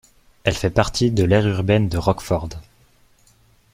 Elle fait partie de l'Aire urbaine de Rockford.